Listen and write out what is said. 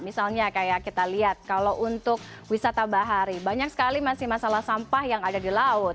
misalnya kayak kita lihat kalau untuk wisata bahari banyak sekali masih masalah sampah yang ada di laut